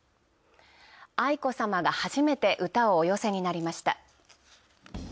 愛子さまが初めて歌をお寄せになりました。